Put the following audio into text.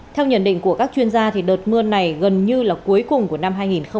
theo nhận định của các chuyên gia đợt mưa này gần như là cuối cùng của năm hai nghìn hai mươi